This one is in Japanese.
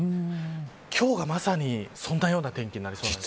今日が、まさにそのような天気になりそうです。